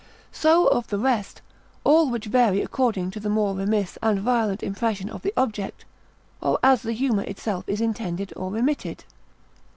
So of the rest, all which vary according to the more remiss and violent impression of the object, or as the humour itself is intended or remitted.